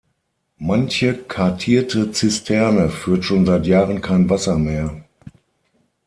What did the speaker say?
Manche kartierte Zisterne führt schon seit Jahren kein Wasser mehr.